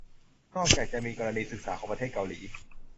นอกจากจะมีกรณีศึกษาของประเทศเกาหลี